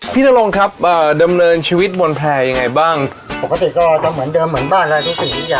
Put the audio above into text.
นรงครับดำเนินชีวิตบนแพร่ยังไงบ้างปกติก็จะเหมือนเดิมเหมือนบ้านอะไรทุกสิ่งทุกอย่าง